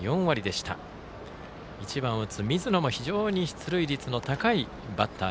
１番を打つ水野も出塁率の高いバッター。